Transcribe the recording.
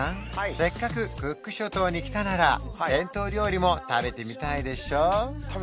せっかくクック諸島に来たなら伝統料理も食べてみたいでしょ？